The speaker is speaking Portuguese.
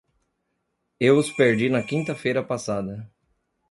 Eu os perdi na quinta-feira passada.